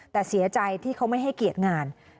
แต่เสียใจที่เขาไม่ให้เกียรติงาน